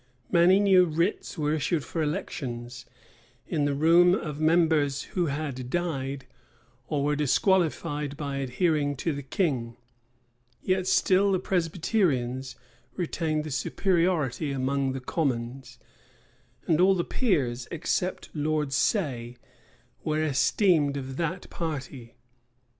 Many new writs were issued for elections, in the room of members who had died, or were disqualified by adhering to the king; yet still the Presbyterians retained the superiority among the commons: and all the peers, except Lord Say, were esteemed of that party.